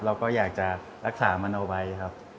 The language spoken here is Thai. เราก็อยากจะรักษามันเอาไว้ครับ